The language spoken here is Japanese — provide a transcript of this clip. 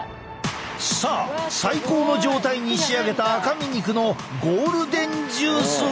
さあ最高の状態に仕上げた赤身肉のゴールデンジュースは？